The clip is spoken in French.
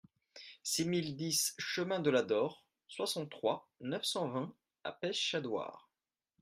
six mille dix chemin de la Dore, soixante-trois, neuf cent vingt à Peschadoires